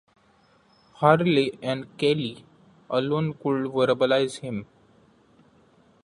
Harley and Keeley alone could verbalize him.